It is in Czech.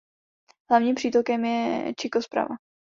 Hlavním přítokem je Chico zprava.